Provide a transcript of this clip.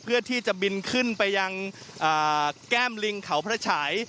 เพื่อที่จะบินขึ้นไปยังแก้มลิงเขาพระฉาย